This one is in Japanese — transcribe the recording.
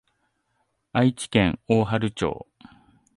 愛知県大治町